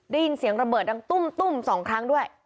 ได้ยินเสียงระเบิดดังตุ้ม๒ครั้งด้วย